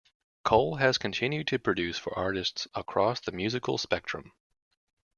Cole has continued to produce for artists across the musical spectrum.